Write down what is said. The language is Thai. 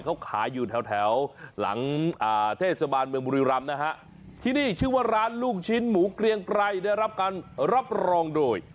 เขาขายอยู่แถวแถวหลังเทศบาลเมืองบุรีรำนะฮะที่นี่ชื่อว่าร้านลูกชิ้นหมูเกลียงไกรได้รับการรับรองโดย